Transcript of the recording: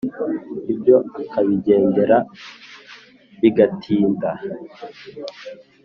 Ibyo akabigendera bigatinda”.